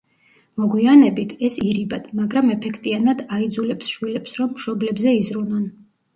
მოგვიანებით, ეს ირიბად, მაგრამ ეფექტიანად აიძულებს შვილებს, რომ მშობლებზე იზრუნონ.